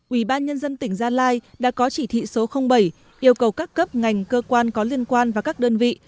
ủy ban nhân dân tỉnh gia lai đã có chỉ thị số bảy yêu cầu các cấp ngành cơ quan có liên quan và các đơn vị